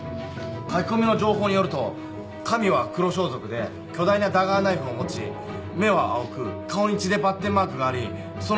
書き込みの情報によると神は黒装束で巨大なダガーナイフを持ち目は青く顔に血でばってんマークがありそのマークを現場にも残す。